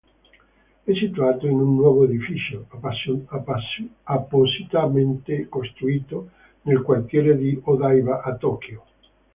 È situato in un nuovo edificio appositamente costruito nel quartiere di Odaiba a Tokyo.